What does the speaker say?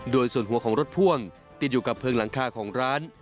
โดยส่วนหัวของรถพ่วงติดอยู่กับเพลิงหลังคาของร้าน